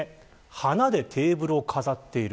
花でテーブルを飾っている。